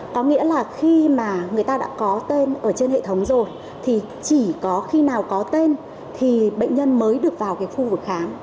có nghĩa là khi mà người ta đã có tên ở trên hệ thống rồi thì chỉ có khi nào có tên thì bệnh nhân mới được vào cái khu vực khám